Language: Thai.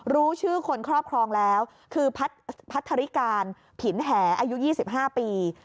รู้ชื่อคนครอบครองแล้วคือพัทธริการผินแหอายุ๒๕ปี